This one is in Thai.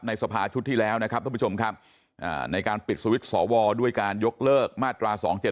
สภาชุดที่แล้วนะครับท่านผู้ชมครับในการปิดสวิตช์สวด้วยการยกเลิกมาตรา๒๗๒